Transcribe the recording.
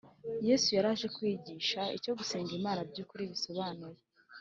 . Yesu yari aje kwigisha icyo gusenga Imana by’ukuri bisobanuye